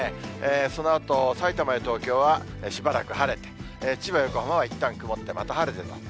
そのあとさいたまや東京は、しばらく晴れて、千葉、横浜はいったん曇って、また晴れてと。